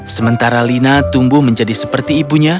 sementara lina tumbuh menjadi seperti ibunya